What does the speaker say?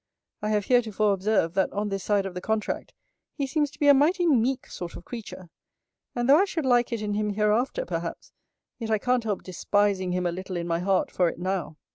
I have heretofore observed, that on this side of the contract, he seems to be a mighty meek sort of creature. And though I should like it in him hereafter perhaps, yet I can't help despising him a little in my heart for it now.